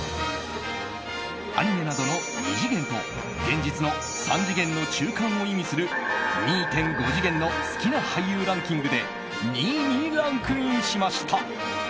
アニメなどの２次元と現実の３次元の中間を意味する２．５次元の好きな俳優ランキングで２位にランクインしました。